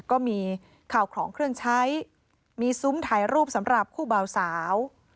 ก็มีข่าวของเครื่องใช้มีซุ้มถ่ายรูปสำหรับคู่เบาสาว